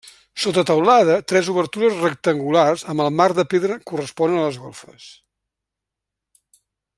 Sota teulada, tres obertures rectangulars amb el marc de pedra corresponen a les golfes.